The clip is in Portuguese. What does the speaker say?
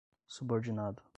subordinado